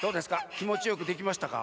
きもちよくできましたか？